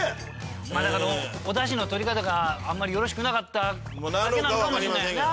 なんかあのおだしのとり方があんまりよろしくなかっただけなのかもしれないしな。